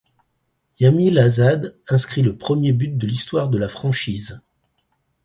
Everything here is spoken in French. Yamil Asad inscrit le premier but de l'histoire de la franchise.